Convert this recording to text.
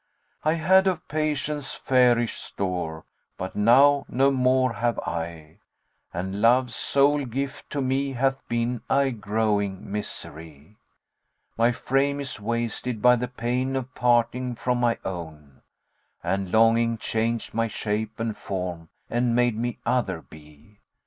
I had of patience fairish store, but now no more have I; * And love's sole gift to me hath been aye growing misery: My frame is wasted by the pain of parting from my own, * And longing changed my shape and form and made me other be.